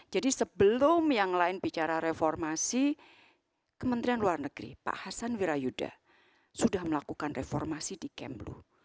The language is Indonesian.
jadi sebelum yang lain bicara reformasi kementerian luar negeri pak hasan wirayuda sudah melakukan reformasi di kemlu